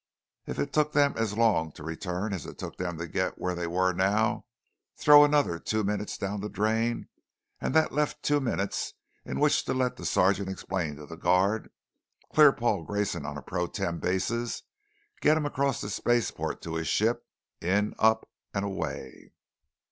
If it took them as long to return as it took them to get where they now were, throw another two minutes down the drain and that left two minutes in which to let the sergeant explain to the guard, clear Paul Grayson on a pro tem basis, get him across the spaceport to his ship, in, up, and away.